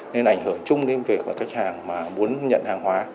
nên ảnh hưởng chung đến việc các khách hàng muốn nhận hàng hóa